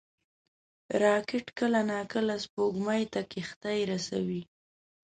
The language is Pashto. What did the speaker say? راکټ کله ناکله سپوږمۍ ته کښتۍ رسوي